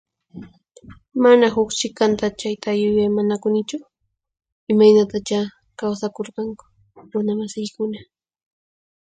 Mana huq chikanta chayta yuyaymanakunichu, imaynatachá kawsakurqanku runa masiykuna.